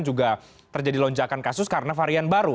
juga terjadi lonjakan kasus karena varian baru